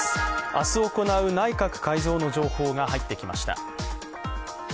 明日行う内閣改造の情報が入ってきました。